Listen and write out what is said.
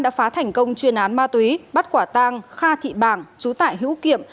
đã phá thành công chuyên án ma tùy bắt quả tang kha thị bảng chú tải hữu kiểm